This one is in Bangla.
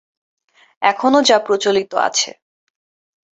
এখনও যা প্রচলিত আছে।